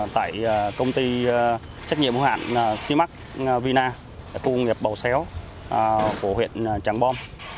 tại công ty trách nhiệm hữu hạn sinh mark vina khu công nghiệp bầu xéo của huyện trắng bom